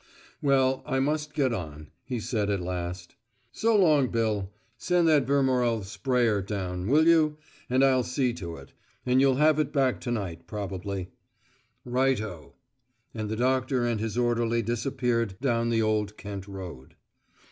"Well, I must get on," he said at last. "So long, Bill. Send that Vermorel sprayer down, will you, and I'll see to it, and you'll have it back to night, probably." "Righto." And the doctor and his orderly disappeared down the Old Kent Road.